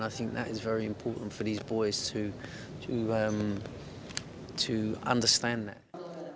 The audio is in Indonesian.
dan saya pikir itu sangat penting bagi para pemain ini untuk memahaminya